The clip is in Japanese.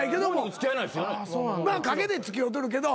まあ陰で付き合うてるけど。